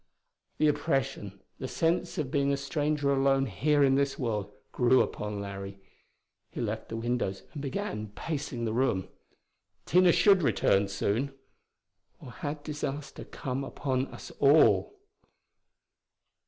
The oppression, the sense of being a stranger alone here in this world, grew upon Larry. He left the windows and began pacing the room. Tina should soon return. Or had disaster come upon us all?...